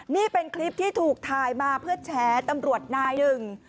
นี่เป็นคลิปที่ถูกถ่ายมาเพื่อแชร์ตำรวจนายหนึ่ง